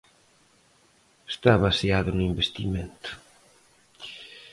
Está baseado no investimento.